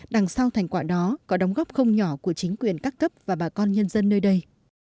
đằng sau thành quả đó có đóng góp không nhỏ của chính quyền các cấp và bà con nhân dân nơi đây